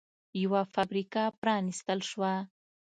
یوه فابریکه پرانېستل شوه